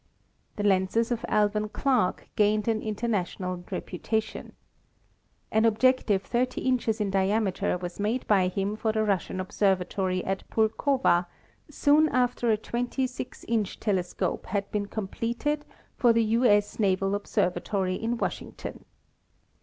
The lenses of Alvan Clark gained an international reputation. An objective 30 inches in diameter was made by him for the Russian Observatory at Pulkova soon after a 26 inch telescope had been completed for the U. S. Naval Observa tory in Washington.